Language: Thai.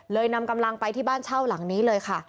นำกำลังไปที่บ้านเช่าหลังนี้เลยค่ะ